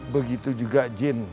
begitu juga jin